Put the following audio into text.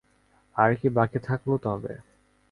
আর কী বাকি থাকল তবে?